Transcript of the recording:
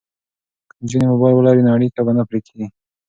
که نجونې موبایل ولري نو اړیکه به نه پرې کیږي.